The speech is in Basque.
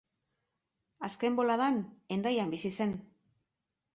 Azken boladan, Hendaian bizi zen.